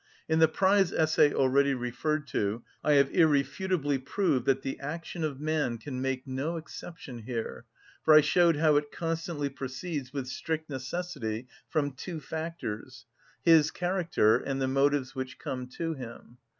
In the prize essay already referred to I have irrefutably proved that the action of man can make no exception here, for I showed how it constantly proceeds with strict necessity from two factors—his character and the motives which come to him.